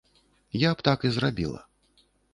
Я б так і зрабіла.